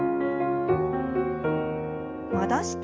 戻して。